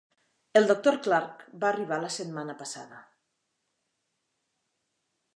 El Dr. Clark va arribar la setmana passada.